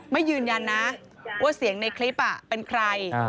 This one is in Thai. ไม่ยืนยันนะว่าเสียงในคลิปเป็นใคร